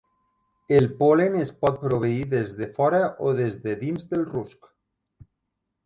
El pol·len es pot proveir des de fora o des de dins del rusc.